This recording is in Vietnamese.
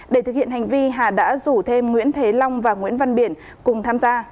để thực hiện hành vi hà đã rủ thêm nguyễn thế long và nguyễn văn biển cùng tham gia